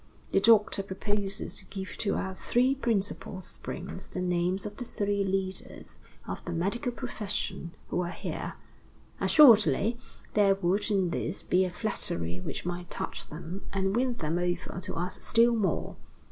The doctor proposes to give to our three principal springs the names of the three leaders of the medical profession who are here. Assuredly, there would in this be a flattery which might touch them and win them over to us still more.